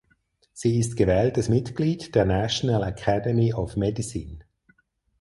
Sie ist gewähltes Mitglied der National Academy of Medicine.